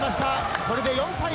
これで４対２。